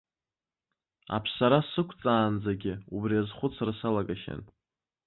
Аԥсара сықәҵаанӡагьы убри азхәыцра салагахьан.